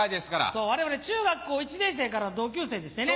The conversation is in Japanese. そう我々中学校１年生から同級生でしてね。